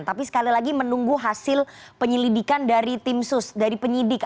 tapi sekali lagi menunggu hasil penyelidikan dari tim sus dari penyidik